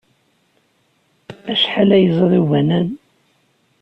Acḥal ay ẓid ubanan.